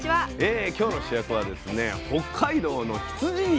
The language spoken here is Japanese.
今日の主役はですね北海道の羊肉。